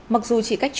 mặc dù chỉ cách nhìn